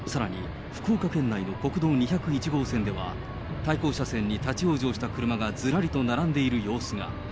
さらに、福岡県内の国道２０１号線では、対向車線に立往生した車がずらりと並んでいる様子が。